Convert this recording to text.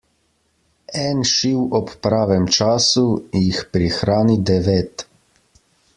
En šiv ob pravem času, jih prihrani devet.